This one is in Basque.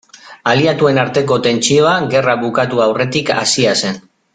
Aliatuen arteko tentsioa gerra bukatu aurretik hasia zen.